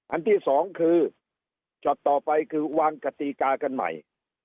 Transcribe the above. อันที่สองคือช็อตต่อไปคือวางกติกากันใหม่